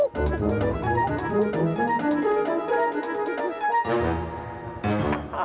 โอ้โฮ